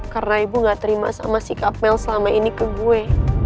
karena ibu gak terima sama sikap mel selama ini ke gue